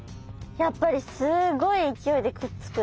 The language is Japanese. やっぱりすごい勢いでくっつく。